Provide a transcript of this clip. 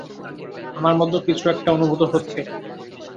আমার মধ্যে কিছু একটা অনুভূত হচ্ছে।